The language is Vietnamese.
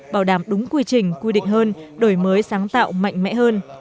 bảo đảm đúng quy trình quy định hơn đổi mới sáng tạo mạnh mẽ hơn